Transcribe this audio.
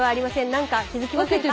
何か気付きませんか？